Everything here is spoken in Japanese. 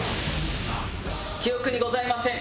記憶にございません。